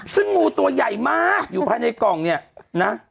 ซึ่งงูตัวใหญ่มากอยู่ภายในกล่องเนี่ยนะ